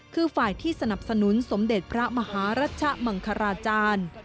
คือฝ่ายที่สนับสนุนสมเด็จพระมหารัชมังคราจารย์